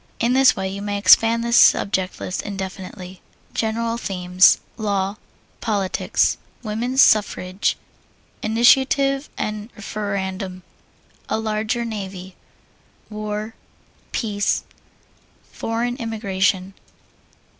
In this way you may expand this subject list indefinitely. GENERAL THEMES Law. Politics. Woman's Suffrage. Initiative and Referendum. A Larger Navy. War. Peace. Foreign Immigration.